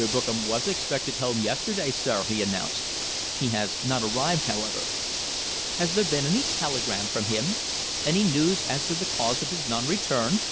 Bookam was expected home yesterday, sir," he announced. "He has not arrived, however." "Has there been any telegram from him? any news as to the cause of his non return?"